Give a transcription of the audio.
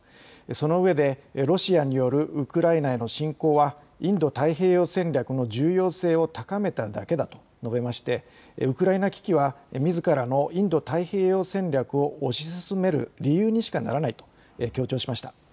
そのうえでロシアによるウクライナへの侵攻はインド太平洋戦略の重要性を高めただけだと述べましてウクライナ危機はみずからのインド太平洋戦略を推し進める理由にしかならないと強調しました。